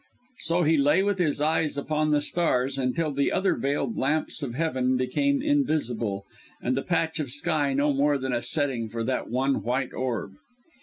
So he lay with his eyes upon the stars until the other veiled lamps of heaven became invisible, and the patch of sky no more than a setting for that one white orb.